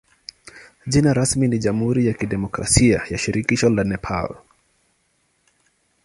Jina rasmi ni jamhuri ya kidemokrasia ya shirikisho la Nepal.